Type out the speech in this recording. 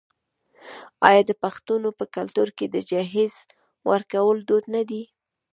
آیا د پښتنو په کلتور کې د جهیز ورکول دود نه دی؟